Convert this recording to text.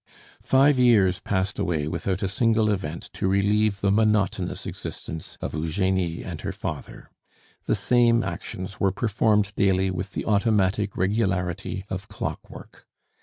Five years passed away without a single event to relieve the monotonous existence of Eugenie and her father. The same actions were performed daily with the automatic regularity of clockwork.